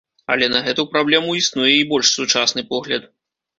Але на гэту праблему існуе і больш сучасны погляд.